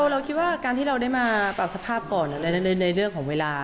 เราคิดว่าการที่เราได้มาปรับสภาพก่อนในเรื่องของเวลา